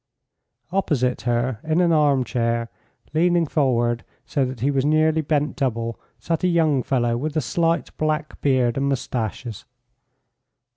Opposite her, in an armchair, leaning forward, so that he was nearly bent double, sat a young fellow with a slight, black beard and moustaches.